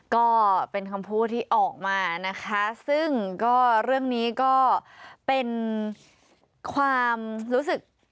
ก็เป็นคำพูดที่ออกมานะคะซึ่งก็เรื่องนี้ก็เป็นความรู้สึก